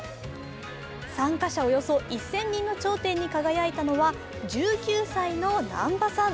参加者およそ１０００人の頂点に輝いたのは１９歳の難波さん。